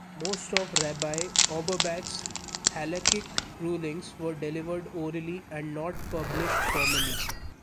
Most of Rabbi Auerbach's halachic rulings were delivered orally and not published formally.